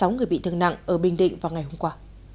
sáu người bị thương nặng ở bình định vào ngày hôm qua